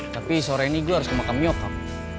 tapi sore ini gue harus kemakam nyokap